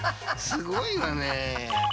すごいわね。